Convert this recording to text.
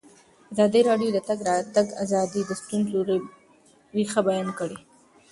ازادي راډیو د د تګ راتګ ازادي د ستونزو رېښه بیان کړې.